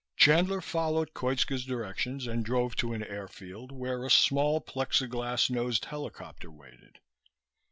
Chandler followed Koitska's directions and drove to an airfield where a small, Plexiglas nosed helicopter waited.